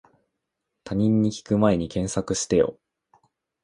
他人に聞くまえに検索してよ